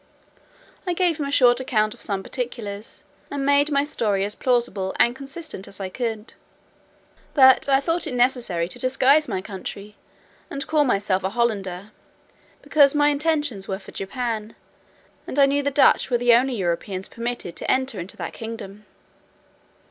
I gave him a short account of some particulars, and made my story as plausible and consistent as I could; but I thought it necessary to disguise my country, and call myself a Hollander; because my intentions were for Japan, and I knew the Dutch were the only Europeans permitted to enter into that kingdom.